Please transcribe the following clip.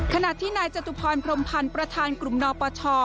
ขณะที่นายจตุพรพรมพันธ์ประธานกลุ่มนปช